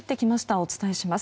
お伝えします。